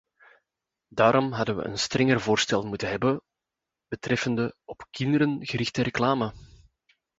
Daarom hadden we een strenger voorstel moeten hebben betreffende op kinderen gerichte reclame.